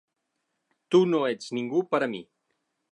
Tu no ets ningú per a mi.